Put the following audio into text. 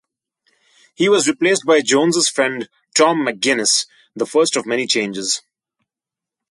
He was replaced by Jones' friend Tom McGuinness-the first of many changes.